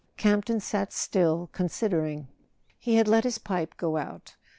Campton sat still, considering. He had let his pipe go out.